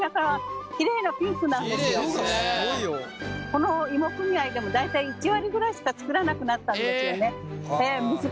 この芋組合でも大体１割ぐらいしか作らなくなったんですよね。